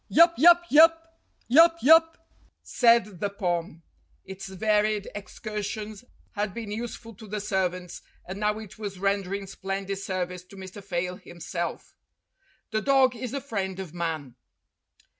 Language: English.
"Yap yap yap yap yap!" said the Pom. Its varied excursions had been useful to the servants, and now it was rendering splendid service to Mr. Fayle himself. The dog is the friend of man.